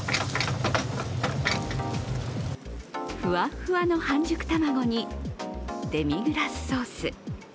ふわふの半熟卵にデミグラスソース。